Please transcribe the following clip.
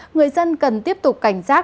người dân cần tiếp tục cảnh giác